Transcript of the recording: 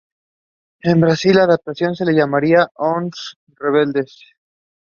Von Brandis took an interest in politics and joined the New National Party.